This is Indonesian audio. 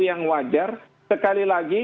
yang wajar sekali lagi